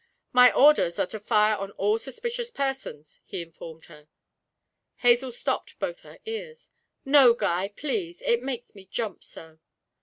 'My orders are to fire on all suspicious persons,' he informed her. Hazel stopped both her ears. 'No, Guy, please it makes me jump so.'